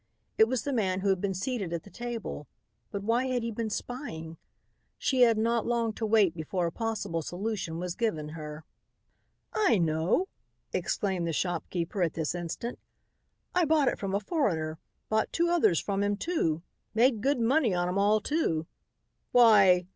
It was the man who had been seated at the table, but why had he been spying? She had not long to wait before a possible solution was given her. "I know!" exclaimed the shopkeeper at this instant, "I bought it from a foreigner. Bought two others from him, too. Made good money on 'em all, too. Why!"